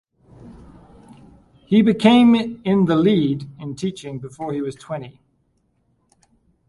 He became in the lead in teaching before he was twenty.